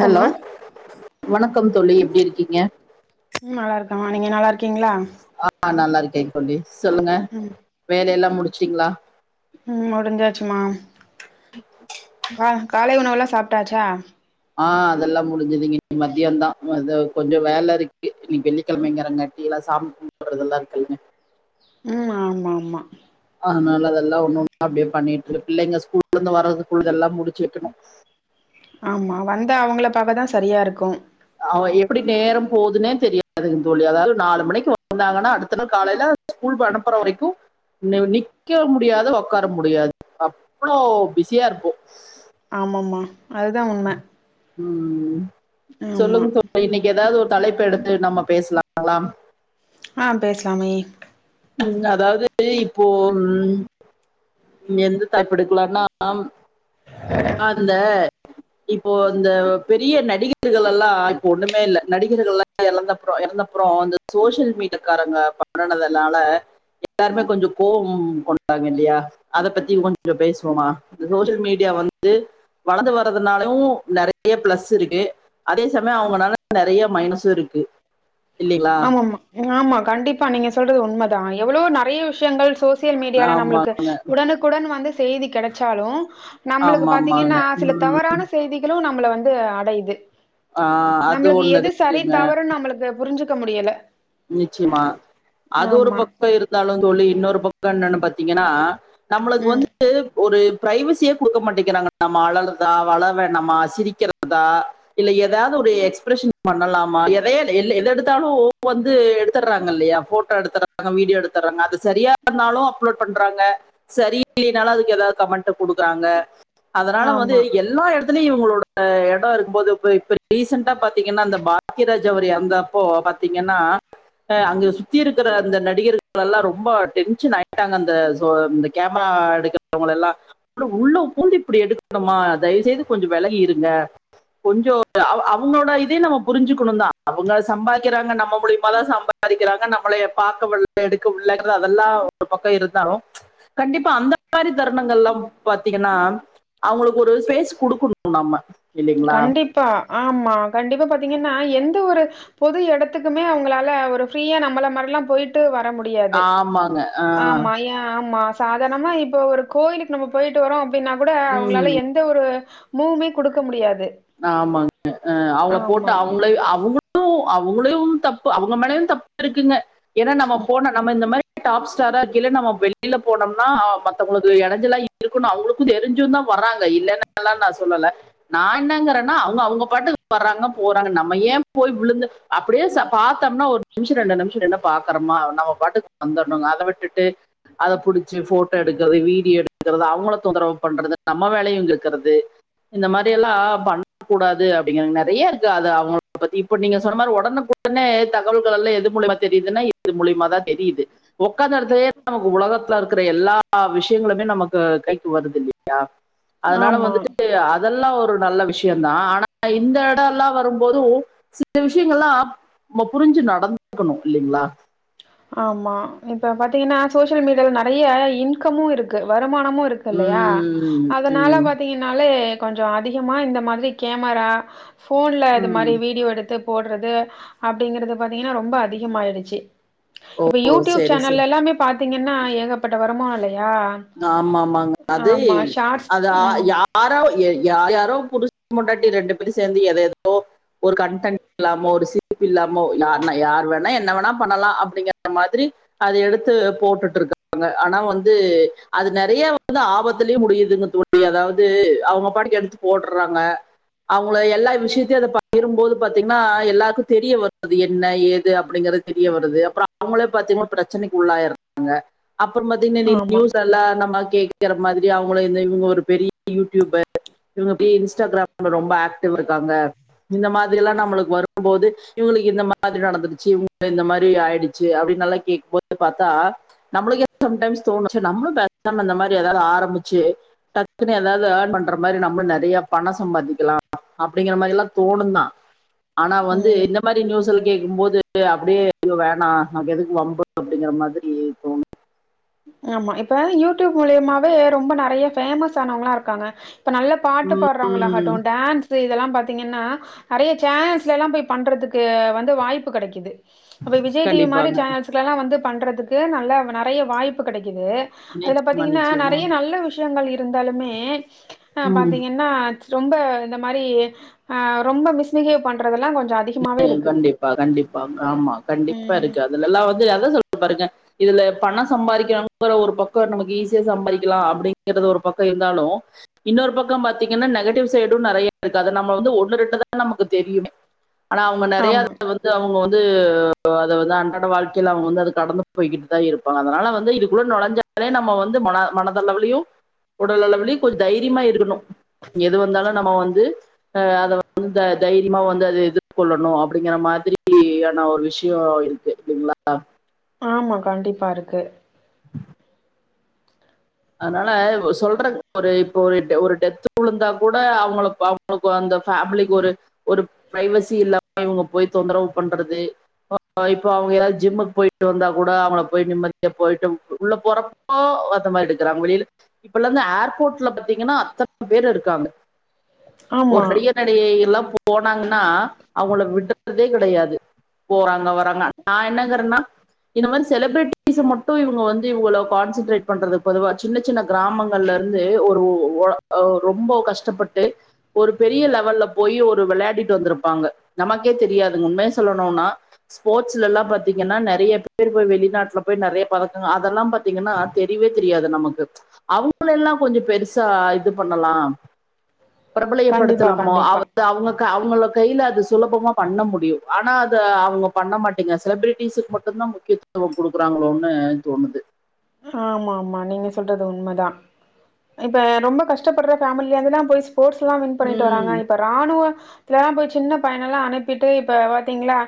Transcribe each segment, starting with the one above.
Hello வணக்கம் தோழி எப்டி இருக்கீங்க ம் நல்லா இருக்கமா நீங்க நல்லா இருக்கீங்களா ஆ நல்லா இருக்கே தோழி சொல்லுங்க ம் வேலைல்லா முடிச்சிங்களா ம் முடிஞ்சாச்சுமா கா காலை உணவெல்லா சாப்ட்டாச்சா ஆ அதெல்லா முடிஞ்சது இனி மத்தியா தா அத கொஞ்சோ வேலை இருக்கு இன்னைக்கி வெள்ளிக்கிழமைங்கறாகாட் இங்கை எல்லா சாமிகும்புறதெல்லா இருக்குலங்க ம் ஆமா ஆமா அதுனால அதெல்லா ஒண்ணு ஒண்ண அப்டியே பண்ணிட்டு இரு பிள்ளைங்க ஸ்கூல்ல இருந்து வர்றதுக்குள்ள எல்லா முடிச்சு வெக்கணு ஆமா வந்த அவங்கள பாக்க தா சரியா இருக்கு அவெ எப்புடி நேரம் போவ்துன்னே தெரியா துங் தோழி அதாலு நாலு மணிக் வந்தாங்கன்னா அடுத்த நாள் காலைல ஸ்கூல் ப அனுப்பற வரைக்கு நெவ் நிக்க முடியாது ஒக்கார முடியாத் அப்ளோ பிஸியா இருப்போ ஆமாமா அதுதா உண்ம ம் ஆமா சொல்லுங் தோழி இன்னிக்கி ஏதாவ் ஒ தலைப்பு எடுத்து நம்ம பேஸ்லா ங்களான் ஆ பேஸ்லாமே ம் அதாவ்து இப்போ நுன் எந்த தாய்ப் எடுக்லானாம் ஆ அந்த இப்போ இந்தவ் பெரிய நடிகர்கள் எல்லா இப் ஒண்ணுமே இல்ல நடிகர்கள்லா எழந்தப்றோ எறந்தப்றோ அந்த சோஷியல் மீட்டுக்காரங்க பண்ண னதுனால எட்டார்மே கொஞ்சு கோவும் கொண்டாங் இல்லியா அத பத்தி கொஞ்சு பேசுவோமா இந்த சோஷியல் மீடியா வந்து வளந்து வர்றது நாள் ஊ நறையா ப்ளஸ் இருக்கு அதே சமயோ அவ்ங்கனால நறையா மைனஸு இருக்கு இல்லைங்களா ஆமாமா இங் ஆமா கண்டிப்பா நீங்க சொல்றது உண்மதா எவ்வுளோ நறையா விஷ்யங்கள் சோஸ் சியல் மீடியால ஆமா நம்ளுக்கு உடனுக்குடன் வந்து செய்தி கெடச்சாலு நம்ளுக்கு ஆமா பாத்தீங்கின்னா ஆமாங்க சில தவறான செய்திகளு நம்மள வந்து அடைய்து ஆஹ் அது நம்ளுக்கு ஒண்ணு எது சரி இருக்குங்க தவறுன் நம்ளுக்கு புரிஞ்சுக்க முடியல நிச்சிமா அத் ஒரு ஆமா பக்கோ இருந்தாலு தோழி இன்னொரு பக்க என்னன்னு பாத்தீங்கினா நம்ளுக் ம் வந்த் து ஒரு ப்ரைவசியே குடுக்க மாட்டேங்கிறாங்க நம் அளல்ருதா வல வேணாமா சிரிக்கிறதா இல்ல எதாவ்து ஒரு எக்ஸ்ப்ரஷன் பண்ணலாமா எதையல் எல் எது எடுத்தாலு வந்து எடுத்தர்றாங் இல்லையா ஃபோட்டோ எடுத்துறாங்க மீடியோ எடுத்துர்றாங்க அது சரியா இருந்தாலு அப்லோட் பண்றாங்க சரி இல்லினாலு அதுக் ஏதாவ் கமெண்ட்ட குடுக்குறாங்க அதனால வந்து ஆமா எல் எல்லா எடத்துலி இவ்ங்ளோடு அ யடோ இருக்கும்போது பொய் பிர் ரீசன்ட்டா பாத்தீங்கன்னா அந்த பார் க்கியராஜ் அவர் யறந்தாப்போ பாத்தீங்கன்னா அ அங்கு சுத்தி இருக்குற அந்த நடிகரு க்லல்லா ரொம்பா டென்ஷன் ஆய்ட்டாங் அந்த ஜோலோம்மே கேமரா எடுக்க வங் எல்லா டு உள்ள பூந்து இப்டி எடுக்ணுமா தய்வு செய்து கொஞ்சு வெலகி இருங்க கொஞ்சோத்தி அவ் அவ்ங்களோட இதே நம்ம புரிஞ்சிக்குணு தா அவங்க சம்பார் க்கிறாங்க நம்ம மூலியமாதா சம்பாரிக்கறாங்க நம்மளய பாக்கமது எடுக்க உள்ளங்ற அதல்லா ஒரு பக்க இருந்தாலு கண்டிப்பா அந்த மாரி தருணங்கள்லம் பாத்தீங்கன்னா அவ்ங்ளுக் ஒரு ஸ்பேஸ் குடுக்கண் நம்ம இல்லிங்ளா பா ஆமா கண்டிப்பா பாத்தீங்கன்னா எந்த ஒரு பொது எடத்துக்குமே அவ்ங்களால ஒரு ஃப்ரியா நம்மள மார்ல்லா போய்ட் ட்டு வர முடியாது ஆமாங்க ஆஹ் ஆமா ஏ ஆமா சாதாணமா இப்போ ஒரு கோயிலுக் நம்ம போய்ட்டு வரோ அப்டின்னா கூட அவ்ங்ளால உம் எந்த ஒரு மூவ்மே குடுக்க முடியாது நாமாங் அஅ அவ்ங்கள போட் ஆமா அவ் வுங்ளை அவ்ங் ளு அவ்ங்களையு தப்பு அவங்க மேலயு தப் இருக்குங்க ஏன்னா நம்ம போன நம் இந்த மாரி டாப் ஸ்டாரா கீழே நம்ம வெயில்ல போனம்னா மத்தவங்ளுக்கு எடஞ்சலா இருக்குனு அவ்ங்ளு தெரிஞ்சுந்தா வராங்க இல்லேன்னல்லா நா சொல்லல நாய் என்னங்கறங்கா அவ்ங்க அவ்ங்க பாட்டுக் வர்றாங்க போறாங்க நம்ம ஏ போய் விழுந்து அப்டேஸா பாத்தம்னா ஒர் நிம்ஷு ரெண்டு நிம்ஷு ரின்னு பாக்கறம்மா நவ் பாட்டுக் வந்துர்ணுங்க அத விட்டுட்டு அதை பிடிச்சு ஃபோட்டோ எடுக்கிறது வீடியோ எடுக்கிறது அவுங்கள தொந்தரவு பண்றது நம்ம வேலையு கெடுக்குறது இந்த மாரி எல்லா பண் கூடாது அப்டிங்கங்க நறைய இருக்கு அது அவுங்க பத்தி நீங்க சொன்ன மாரி உடனுக்கு உடனே தகவல்கள் எல்லா எது மூலியமா தெரியுதுன்னா இது மூலயமாதா தெரியுது உக்காந்த இடத்துலயே நமக்கு உலகத்துல இருக்கிற எல்லா விஷயங்களுமே நமக்கு கைக்கு வருது இல்லையா அதுனால ஆமா வந்துட்டு அதெல்லா ஒரு நல்ல விஷ ஷயோந்தா ஆனா இந்த இட எல்லா வரும்போது சில விஷயங்கள்ல்லா நம்ம புரிஞ்சு நடந்துக்கணு இல்லைங்களா ஆமா இப்ப பாத்தீங்கன்னா சோசியல் மீடியால நறைய இன்கமு இருக்கு வருமானமு இருக்கு இருக்கு இல்லையா உம் அதனால உம் பாத்திங்கனாலே கொஞ்சோ இந்த மாதிரி கேமரா ஃபோன்ல இது உம் மாரி வீடியோ எடுத்து போடுறது அப்படிங்கறது பாத்தீங்கன்னா ரொம்ப அதிகமாயிடுச்சு இப்ப ஓ யூடியூப் சரி சரி சேனலல்லாமே பாத்தீங்கன்னா ஏகபட்ட வருமானம் இல்லையா ஆமா ஆமாங்க அது ஆமா. ஷார்ட்ஸ் அது ம். யா யாரோ யாரோ புருஷன் பொண்டாட்டி ரெண்டு பேர் சேந்து எத எதோ ஒரு கன்டென்ட் இல்லாம ஒரு சிரிப்பு இல்லாம யார்ணா யார் வேணா என்ன வேணா பண்ணலா அப்டிங்கிற மாதிரி அது எடுத்து போட்டுட்டு இருக்காங்க ஆனா வந்து அது நறைய வந்து ஆபத்துலயு முடியுதுங்க தோழி அதாவது அவுங்க பாட்டுக்கு எடுத்து போட்டுறாங்க அவுங்கள எல்லா விஷயத்தையு அதை பகிரும்போது பாத்தீங்கன்னா எல்லாருக்கு தெரிய வருது என்ன ஏது அப்படிங்கிறது தெரிய வருது அப்புற அவுங்களே பாத்தீங்கனா பிரச்சனைக்கு உள்ளாயிறாங்க அப்புறம் பாத்தீங்கன்னா இனி ஆமா. நியூஸ் லல்லா நம்ம கேக்குற மாதிரி அவுங்கள இந்த இவுங்க ஒரு பெரிய யூடியூபர் இவுங்க இப்டியே இன்ஸ்டாகிராம்ல ரொம்ப ஆக்டிவ் இருக்காங்க இந்த மாதிரி எல்லா நம்மளுக்கு வரும் போது இவுங்களுக்கு இந்த மாதிரி நடந்துருச்சு இவுங்க இந்த மாரி ஆயிடுச்சு அப்படின்னு எல்லா கேட்கும் போது பாத்தா நம்மளுக்கு ஏன்னா சம்டைம்ஸ் தோணு சா நம்மளும் பேசாம அந்த மாரி எதாவது ஆரம்பிச்சு டக்குனு எதாவது ஏர்ன் பண்ற மாரி நம்மளு நறைய பணம் சம்பாதிக்கலா அப்டிங்கிற மாரி எல்லா தோணுந்தா ஆனா வந்து ம். என்ன இந்த மாரி நியூஸில் கேட்கும்போது அப்டியே ஐயோ வேணா நமக்கு எதுக்கு வம்பு அப்டிங்கிற மாதிரி தோணு ஆமா இப்ப யூடியூப் மூலியமாவே ரொம்ப நறைய ஃபேமஸ் ஆனவுங்களா இருக்காங்க இப்ப நல்ல பாட்டு உம் பாடுறவங்களகட்டு டான்ஸ் இதெல்லா பாத்தீங்கன்னா நறைய சேனல்ஸ்ல எல்லா போய் பண்றதுக்கு வந்து வாய்ப்பு கிடைக்குது இப்ப விஜய் டிவி மாரி கண்டிப்பாங்க சேனல்ஸ் எல்லா வந்து பண்றதுக்கு நல்ல நறைய வாய்ப்பு கிடைக்குது அதுல நிச்சயமா பாத்தீங்கன்னா நிச்சயமா நறைய நல்ல விஷயங்கள் இருந்தாலுமே அ ம் பாத்தீங்கன்னா ரொம்ப இந்த மாரி ஆ ரொம்ப மிஸ்பிஹேவ் பண்றதெல்லா கொஞ்ச அ ம் கண்டிப்பா கண்டிப்பா ஆமா கண்டிப்பா ம். இருக்கு அதுல எல்லா வந்து அதா சொல்ற பாருங்க இதுல பண சம்பாரிக்கணுங்கிற ஒரு பக்கம் நமக்கு ஈஸியா சம்பாரிக்கலா அப்படிங்கறது ஒரு பக்க இருந்தாலு இன்னொரு பக்கம் பாத்தீங்கன்னா நெகட்டிவ் சைடு நறைய இருக்கு அத நமக்கு வந்து ஒன்னு ரெண்டுதா நமக்கு தெரியுமே ஆனா அவுங்க நறைய ஆமா. அதுல வந்து து அவுங்க வந்து அத வந்து அன்றாட வாழ்க்கையில அவுங்க வந்து கடந்து போயிட்டுகிட்டு தா இருப்பாங்க அதனால வந்து இதுக்குள்ள நுழஞ்சா லே நம்ம வந்து மன மனதளவுலயு உடல் அளவுலையு கொஞ்ச தைரியமா இருக்கணு எது வந்தாலு நம்ம வந்து அ அத வந்து தைரியமா வந்து அத எதிர் கொள்ளணு அப்படிங்குற மாதிரியான ஒரு விஷயோ இருக்கு இல்லைங்களா ஆமா கண்டிப்பா இருக்கு அதனால சொல்ற ஒரு இப்ப ஒரு ஒரு டெத் விழுந்தா கூட அவுங்கள அந்த ஃபேமிலிக்கு ஒரு ஒரு பிரைவசி இல்லாம இவுங்க போய் தொந்தரவு பண்றது இப்போ அவுங்க எதாவது ஜிம்முக்கு போயிட்டு வந்தா கூட அவுங்கள போய் நிம்மதியா போயிட்டு உள்ள போறப்போ அந்த மாரிருக்கு க்கறா மொழில இப்பல இருந்து ஏர்போர்ட்ல பாத்தீங்கன்னா அத்தன பேர் இருக்காங்க ஒரு ஆமா. பெரிய ரிய நடிகை எல்லா போனாங்கன்னா அவங்கள விடுறதே கிடையாது போறாங்க வறாங்க நா என்னங்கறனா இந்த மாதிரி செலிபிரிட்டிஸ மட்டும் இவங்க வந்து இவ்ளோ கான்சன்ட்ரேட் பண்றது பொதுவா சின்ன சின்ன கிராமங்கள்ல இருந்து ஒரு ஓ ரொம்ப கஷ்டப்பட்டு ஒரு பெரிய லெவல்ல போய் ஒரு வெளையாடிட்டு வந்திருப்பாங்க நமக்கே தெரியாதுங்க உண்மைய சொல்லணுன்னா ஸ்போர்ட்ஸ்ல எல்லா பாத்தீங்கன்னா நறைய பேர் போய் வெளிநாட்டுல போய் நறைய பதக்கங்க அதெல்லா பார்த்தீங்கன்னா தெரிவே தெரியாது நமக்கு அவங்கள எல்லா கொஞ்சோ பெருசா இது பண்ணலா கண்டிப்பா, பிரபலயப்படுத்தலாமோ கண்டிப்பா. அவ அது அவங்க அவங்களோ கையில அது சுலபமா பண்ண முடியு ஆனா அத அவங்க பண்ண மாட்டேங்க செலிபிரிட்டிஸக்கு மட் டுந்தா முக்கியத்துவோ கொடுக்குறாங்களோன்னு தோணுது ஆமாமா நீங்க சொல்றது உண்மதா இப்ப ரொம்ப கஷ்டப்படுற பேமிலியா இருந்துதனா போய் ஸ்போ்ட்ஸ்ல்லா வின் பண்ணிட்டு வராங்க உம் இப்போ இராணுவ இதுலல்லா போய் சின்ன பையனல்லா அனுப்பிட்டு இப்ப பாத்தீங்களா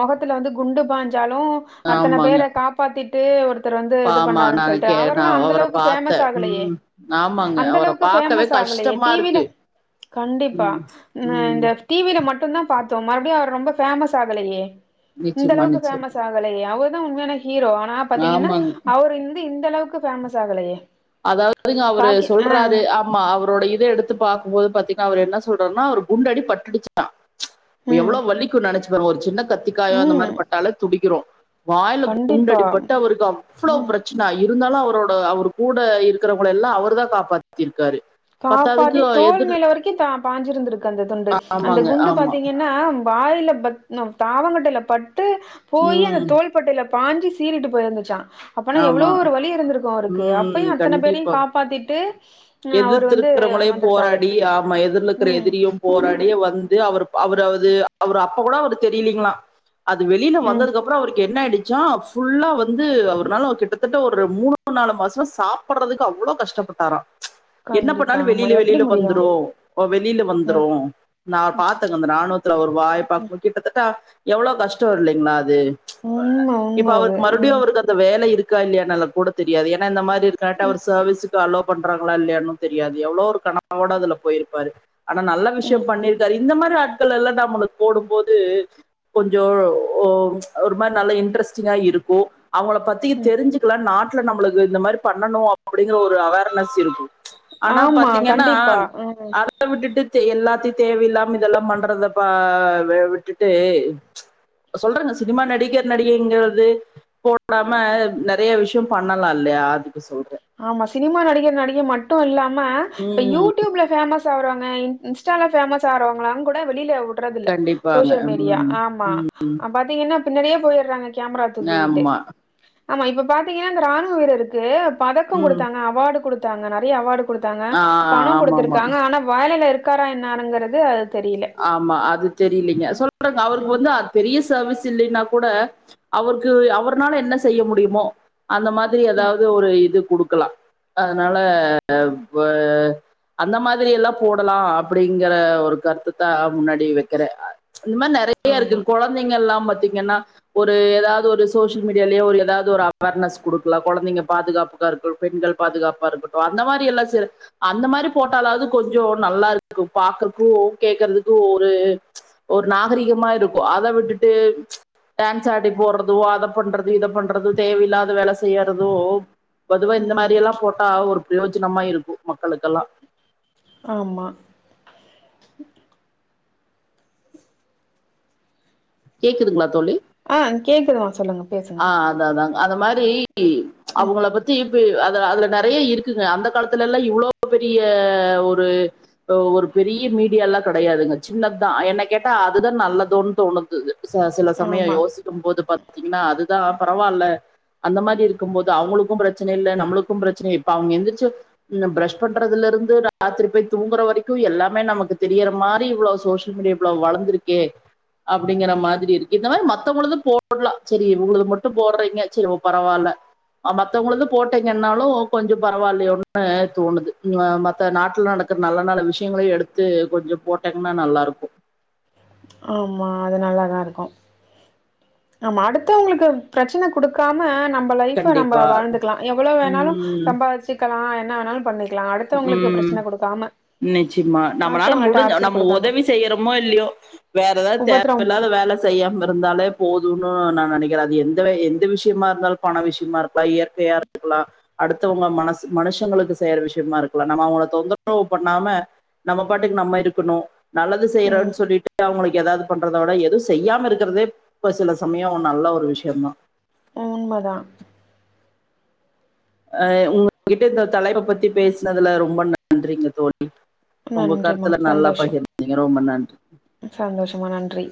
முகத்துல வந்து குண்டு பாஞ்சாலு அத்தன ஆமாங்க பேர காப்பாத்திட்டு ஒருத்தர் வந்து இது ஆமா பண்ணாருன்னு நான் சொல்லிட்டு கே அவரெல்லா நான் அந்த அவரை அளவுக்கு ஃபேமஸ் பார்த்தேன் ஆகலையே உம் ஆமாங்க அந்த அவரை அளவுக்கு பார்க்கவே ஃபேமஸ் ஆகலயே கஷ்டமா டிவில இருக்கு கண்டிப்பா உம் நா உம் இந்த டிவில மட்டு தா பார்த்தோ மறுபடியு அவர் ரொம்ப ஃபேமஸ் ஆகலையே இந்த நிச்சயமா அளவுக்கு நிச்சயமா ஃபேமஸ் ஆக ஆகலயே அவர் தா உண்மையான ஹீரோ ஆனா பாத்தீங்கன்னா ஆமாங்க அவர் வந்து இந்த அளவுக்கு ஃபேமஸ் ஆகலையே அதாவதுங்க அவரு பாக்கி ஆ சொல்றாரு அ ஆமா அவரோட இத எடுத்து பாக்கும்போது பாத்தீங்கன்னா அவர் என்ன சொல்றாருன்னா ஒரு குண்டடி பட்டுடிச்சு தா ம் எவ்ளோ வளிக்கு நெனைச்சு பாரு ஒரு சின்ன கத்திக்காயோ அந்த ம் மாதிரி பட்டால துடிக்கிறோ வாயில கண்டிப்பா குண்டடிப்பட்டு அவருக்கு அவ்ளோ ம் பிரச்சனை இருந்தாலு அவரோட அவருக்கு கூட இருக்கிறவங்கள எல்லா அவர்தா காப்பாத்திருக்காரு காப்பாத்தி தோல் மேல வரைக்கு பாஞ்சிருந்திருக்கு அந்த துண்டு அந்த ஆமாங்க குண்டு ஆமா பாத்தீங்கன் னா வாயில பத் தாவங்கட்டைல பட்டு போயி அந்த உம் தோல் தோல் பட்டையில பாஞ்சி சீறிட்டு போயிருந்துச்சா அப்பனா எவ்ளோ ஆமா ஒரு வழி இருந்திருக்கு அவருக்கு உம் அப்பயு அத்தன பேரையு காப்பாத்திட்டு இன்னு அவர் எதித்து இருக்கிறவங்களையு போராடி ஆமா எதிர்ல இருக்கிற ம் எதிரியு போராடியே வந்து அவர் அவர்து அவரு அப்ப கூட அவரு தெரியலீங்களா அது வெளியில ம் வந்ததுக் அப் அப்றோ அவருக்கு என்ன ஆயிடுச்சா ஃபுல்லா வந்து அவர்னால கிட்டத்தட்ட ஒரு மூணு நாலு மாசமா சாப் பட்றதுக்கு அவ்ளோ கஷ்டப்பட்டாரா என்ன கண்டிப்பா பண்ணாலு ஆமா வெளியில எப்டி வெளியில முடியு வந்துரு வெளியில ம் வந்துரு நான் பாத்தே அந்த ராணுவத்துல ஒரு வாய பாக்கம் ம் போது கிட்டத்தட்ட எவ்ளோ கஷ்டோ இல்லைங்களா அது உண்ம உண்ம இப்ப அது அவருக்கு மறுபடியு ம் அவருக்கு அந்த வேலை இருக்கா இல்லையானல்லா கூட தெரியாது ஏன்னா இந்த மாதிரி கரெக்டா ஒரு சர்வீஸுக்கு அலோ பண்றாங்களா இல்லையான்னு தெரியாது எவ்ளோ ஒரு கனவோட அதுல போயிருப்பாரு ஆனா நல்ல விஷ்யோ ம் பண்ணிருக்காரு இந்த மாதிரி ஆட்கள் எல்லா நம்மளுக்கு போடும்போது கொஞ்சோ ஒ ஒரு மாதிரி நல்லா இன்ட்ரெஸ்டிங்கா இருக்கோ அவங்கள பத்தி தெரிஞ்சுக்கலா நாட்ல நம்மளுக்கு இந்த மாதிரி பண்ணணு அப்டிங்கற ஒரு அவே ர்னஸ் இருக்கு ஆனா ஆமா பாத்தீங்கன்னா கண்டிப்பா ம் அடுத் அத விட்டுட்டு தெ எல்லாத்தையு தேவை இல்லாம இதெல்லா பண்றத பா விட்டுட்டு சொல்றங்க சினிமா நடிகர் நடிகைங்கிறது போட் நாம நெறையா விஷ்யோ பண்ணலா இல்லையா அதுக்கு சொல்றே ஆமா சினிமா நடிகர் நடிகை மட்டு இல்லாம இப்ப ம். யூடியூப்ல பேமஸ் ஆவுராங்க இன்ஸ்டால பேமஸ் ஆவுரவங்ளா கூட வெளியில விட்ரது இல்ல கண்டிப்பாங்க. சோசியல் மீடியா ம். ஆமா பாத்தீங்கன்னா பின்னாடியே போயிட்ற மாறி கேமரா தூக்கிக்கிட்டு ஆமா. ஆமா இப்ப பாத்தீங்கன்னா இந்த ராணுவ வீரருக்கு பதக்கோ ம். கொடுத்தாங்க அவார்டு குடுத்தாங்க நெறைய அவார்டு குடுத்தாங்க ஆ பணோ ஆமாமா. ஆமா. குடுத்துருக்காங்க ஆனா வேலைளே இருக்காரா என்னாங்கிறது ஆமா அது தெரிய்லிங்க சொல்றாங்க அவருக்கு ம், வந்து பெரிய சர்வீஸ் இல்லேனா கூட அவர்க்கு அவர்னால என்ன செய்ய முடியுமோ அந்த மாதிரி ம். ஏதாவது ஒரு இது குடுக்கலா அதனால இப்ப அந்த மாதிரி எல்லா போடலா அப்டிங்ற ஒரு கருத்து தா முன்னாடி வைக்கிற இந்த மாதிரி நிறைய இருக்கு ஆமா. கொழந்தைங்க எல்லா பாத்தீங்கன்னா ஒரு ஏதாவது ஒரு சோசியல் மீடியாலேயோ ஏதாவது ஒரு அவேர்னஸ் குடுக்லா கொழந்தைங்க பாதுகாப் பா இருக்ட்டு பெண்கள் பாதுகாப்பா இருக்கட்டு அந்த மாதிரி எல்லாம் செ அந்த மாதிரி போட்டாலாவது கொஞ்சோ நல்லா இருக்கு பாக்குறக்கு கேக்குறதுக்கு ஒரு ஒரு நாகரிகமா இருக்கு அத விட்டுட்டு டான்ஸ் ஆடி போடுறதூ அத பண்றது இத பண்றது தேவையில்லாத வேலை செய்யறதோ பொதுவா இந்த மாதிரி ம். எல்லா போட்டா ஒரு பிரயோஜனமா இருக்கு மக்களுக்கெல்லா ஆமா கேக்குதுங்ளா தோழி ஆ கேக்குதுமா சொல்லுங்க பேசுங்க. ஆ அதா அதா அந்த மாரி ம். அவுங்கள பத்தி இப்ப அது அதுல நிறைய இருக் குது அந்த காலத்துல எல்லா இவ்ளோ பெரிய ஒரு ஒரு பெரிய மீடியாலா கெடையாதுங்க சின்னத்தா என்ன கேட்டா அதுதா நல்லதோன்னு தோணுது ச சில சமயோ ஆமா. யோசிக்கும் போது பாத்தீங்கின்னா அதுதா பரவால்ல அந்த மாரி இருக்கும்போது அவுங்களுக்கும் பிரச்சன இல்ல நம்மளுக்கும் பிரச்சன இப்ப அவுங்க எந்திர்ச்சா இதுல பிரஷ் பண்றதுல இருந்து ராத்ரி போய் தூங்குற வரைக்கு எல்லாமே நமக்கு தெரியிற மாரி இவ்ளோ சோசியல் மீடியா இவ்ளோ வளந்திருக்கே அப்டிங்கிற மாதிரி இருக்கு இந்த மாதிரி மத்தவுங்ழுது போ போட்லா செரி உங்களுக்கு மட்டும் போட்றீங்க செரி ஓ பரவால்ல மத்தவங்ழுது போட்டீங்கன்னாலு கொஞ்சோ பரவாலயோனு தோணுது மத்த நாட்டுல நட நல்ல நல்ல விஷயங்களையு எடுத்து கொஞ்சம் போட்டீங்கன்னா நல்லாருக்கு ஆமா அது நல்ல தா இருக்கு நம்ம அடுத்தவுங்களுக்கு பிரச்சன குடுக்காம நம்ம ம்ப லைஃபா நம்ம கண்டிப்பா வாழ்ந்துக்லா எவ்ளோ வேணாலு உம் சம்பாதிச்சுக்கலா என்ன வேணாலு பண்ணி க்கலா அடுத்தவங்களுக்கு உம் பிரச்சன கொடுக்காம நிச்சயமா நம்மளால முடிஞ்ச நம்ம குடுக்காம உதவி செய்யறோமோ இல்யோ வேற ஏதாவது தேவ உபத்திரம் இல்லாத வேல செய்யாம இருந்தாலே போதுன்னு நா நெனைக்கிறே அது எங்கள எந்த விஷயமா இருந்தாலு பண விஷயமா இருக்லா இயற்கையா அடுத்தவங்க மனசு மனுஷங்களுக்கு செய்யற வி ஷயமா இருக்கல நம்ம அவுங்கள தொந்தரவு பண்ணாம நம்ம பாட்டுக்கு நம்ம இருக்கணு நல்லது ம் செய்றோன் சொல்லிட்டு அவுங்களிக்கு ஏதாவது பண்றத விட எதுவு செய்யாம இருக்கிறதே இப்ப சில சமயோ நல்ல ஒரு விஷயோ தா உண்மதா அ உங்ககிட்ட இந்த தலைப்ப பத்தி பேசினதுல ரொம்ப நன்றிங்க தோழி உங்க நன்றிமா கருத்தல நல்லா சந்தோஷம் பகிர்ந்தீங்க ரொம்ப நன்றி சந்தோஷமா நன்றி